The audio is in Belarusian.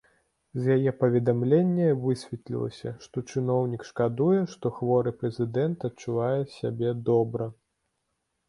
З яе паведамлення высветлілася, што чыноўнік шкадуе, што хворы прэзідэнт адчувае сябе добра.